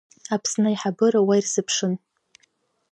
Аԥсны аиҳабыра уа ирзыԥшын.